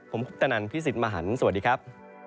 ผมคุปตนันพี่สิทธิ์มหันฯสวัสดีครับ